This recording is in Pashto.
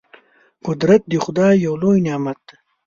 قدرت د خدای یو لوی نعمت دی.